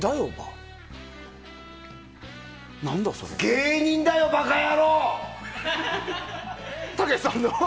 芸人だよ馬鹿野郎！